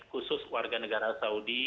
khusus warga negara saudi